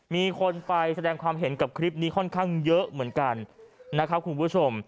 มีคนไปแสดงความเห็นข้อนข้างเยอะเหมือนกันนะครับคุณผู้ชม